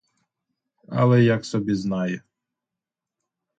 Але як собі знає.